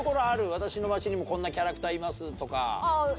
私の町にもこんなキャラクターいますとか。